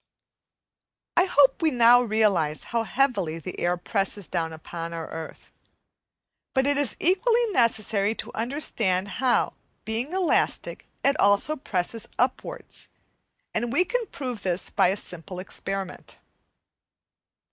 I hope we now realize how heavily the air presses down upon our earth, but it is equally necessary to understand how, being elastic, it also presses upwards; and we can prove this by a simple experiment.